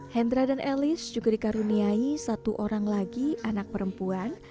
hendra dan elis juga dikaruniai satu orang lagi anak perempuan